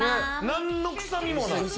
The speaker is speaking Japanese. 何の臭みもない。